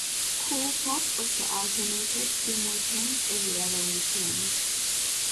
Coolpop also alternated theme weekends every other weekend.